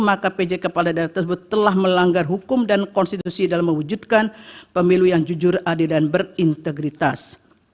maka pj kepala daerah tersebut telah melanggar hukum dan konstitusi dalam mewujudkan pemilu yang jujur adil dan berintegritas